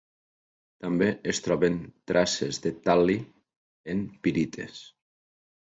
També es troben traces de tal·li en pirites.